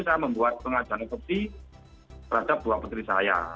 saya membuat pengajaran otopsi terhadap dua petri saya